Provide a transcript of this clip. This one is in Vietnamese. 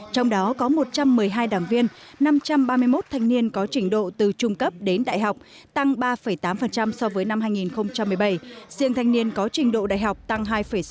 trong đó có một trăm một mươi hai đảng viên năm trăm ba mươi một thanh niên có trình độ từ trung cấp đến đại học tăng ba tám so với năm hai nghìn một mươi bảy riêng thanh niên có trình độ đại học tăng hai sáu mươi